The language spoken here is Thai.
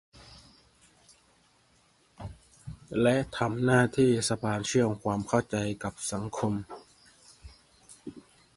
และทำหน้าที่สะพานเชื่อมความเข้าใจกับสังคมแล้ว